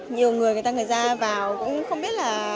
nhiều người người ta người ra vào cũng không biết là